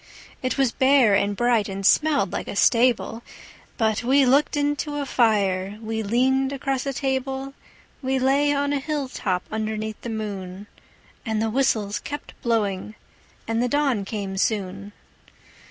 It was bare and bright, and smelled like a stable But we looked into a fire, we leaned across a table, We lay on a hilltop underneath the moon; And the whistles kept blowing, and the dawn came soon.